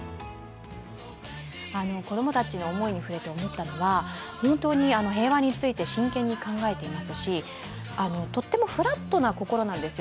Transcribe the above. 子供たちの思いに触れて思ったのは、本当に平和について真剣に考えていますしとってもフラットな心なんです。